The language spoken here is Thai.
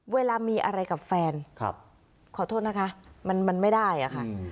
เวลามีอะไรกับแฟนขอโทษนะคะมันไม่ได้อะค่ะ